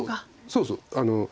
そうそう。